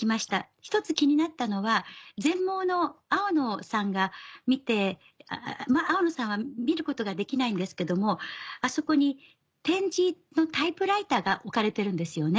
１つ気になったのは全盲の青野さんが見てまぁ青野さんは見ることができないんですけどもあそこに点字のタイプライターが置かれてるんですよね。